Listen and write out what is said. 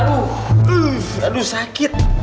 aduh aduh sakit